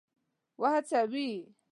وهڅوي.